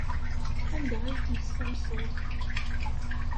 Anda ay ten-tessamseḍ?